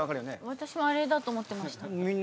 私もあれだと思ってました。